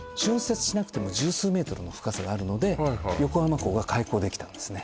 浚渫しなくても十数メートルの深さがあるので横浜港が開港できたんですね